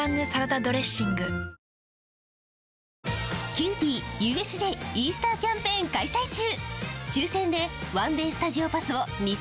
キユーピーＵＳＪイースターキャンペーン開催中！